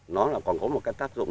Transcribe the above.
nó còn có một cái tác dụng